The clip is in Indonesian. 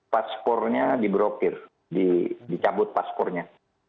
paspornya di brokir dicabut paspornya